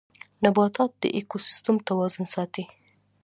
نباتات د ايکوسيستم توازن ساتي